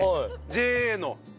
ＪＡの。